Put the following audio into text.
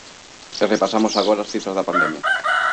E repasamos agora as cifras da pandemia.